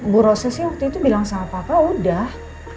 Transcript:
bu rose sih waktu itu bilang sama papa udah